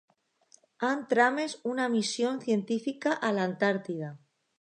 Han tramès una missió científica a l'Antàrtida.